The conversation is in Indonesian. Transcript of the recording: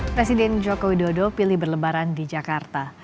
presiden jokowi dodo pilih berlebaran di jakarta